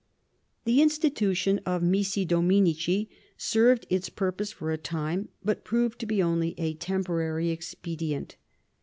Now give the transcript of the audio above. The institution of ^nissi dominici served its pur pose for a time, but proved to be only a temporary expedient.